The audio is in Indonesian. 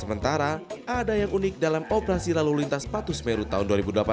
sementara ada yang unik dalam operasi lalu lintas patuh semeru tahun dua ribu delapan belas